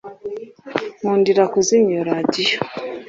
Nkundira kuzimya iyo radio.